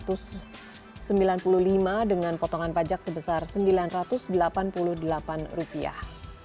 pembeli ini adalah lima ratus sembilan puluh lima dengan potongan pajak sebesar sembilan ratus delapan puluh delapan rupiah